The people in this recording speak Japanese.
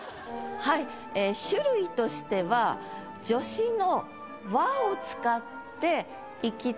はい種類としては助詞の「は」を使って。